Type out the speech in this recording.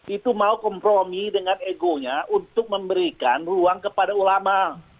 itu mau kompromi dengan egonya untuk memberikan ruang kepada ulama